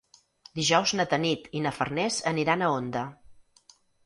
Dijous na Tanit i na Farners aniran a Onda.